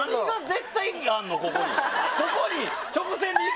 ここに。